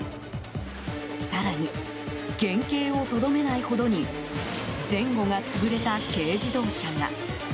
更に、原形をとどめないほどに前後が潰れた軽自動車が。